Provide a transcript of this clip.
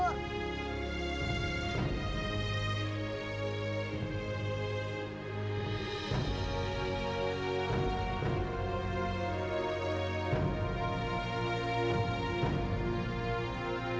maksudku lah kocokwave apa itu